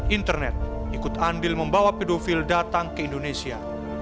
internet ikut andil membawa pedofil datang ke indonesia